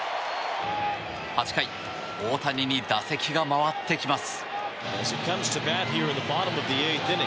８回大谷に打席が回ってきます。